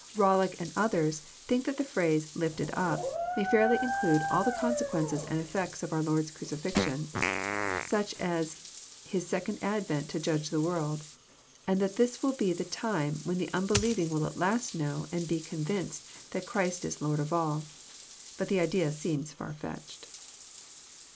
Bollock and others think that the phrase <' lifted up may fairly include all the consequences and effects of our Lord's crucifixion, such as His second advent to judge the world, and that this will be the time when the unbelieving will at last know and be convinced that Christ is Lord of all. But the idea seems far fetched.